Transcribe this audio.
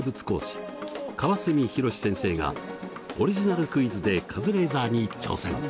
川角博先生がオリジナルクイズでカズレーザーに挑戦！